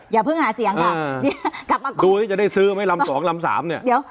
อย่าพึ่งหาเสียงครับดูจะได้ซื้อไหมลำสองลำสามเนี้ยเดี๋ยว